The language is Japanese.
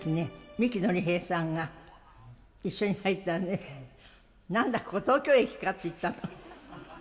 三木のり平さんが一緒に入ったんで何だ、ここ東京駅かって言ったの。